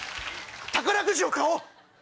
宝くじを買おう。